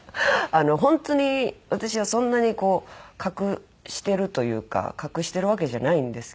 本当に私はそんなにこう隠してるというか隠してるわけじゃないんですけども。